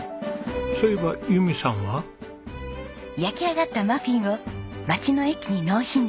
そういえば友美さんは？焼き上がったマフィンをまちの駅に納品です。